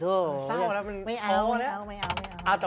เธอเธอเจ้าน่ะยันไม่เอา